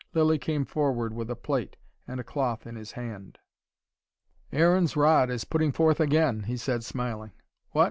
Lilly came forward with a plate and a cloth in his hand. "Aaron's rod is putting forth again," he said, smiling. "What?"